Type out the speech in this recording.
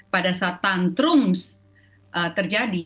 pada saat tantrums terjadi